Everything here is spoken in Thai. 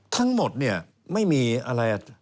ทั้งหมดเนี่ยไม่มีอะไร